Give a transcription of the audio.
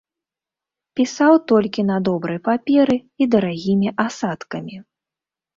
Пісаў толькі на добрай паперы і дарагімі асадкамі.